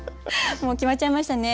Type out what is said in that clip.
もう決まっちゃいましたね